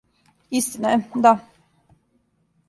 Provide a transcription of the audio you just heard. Истина је, да.